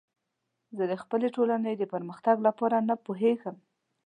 زه د خپلې ټولنې د پرمختګ لپاره نه پوهیږم.